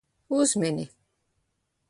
Uzmini.